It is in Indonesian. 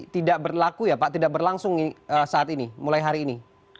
tidak berlaku ya pak tidak berlangsung saat ini mulai hari ini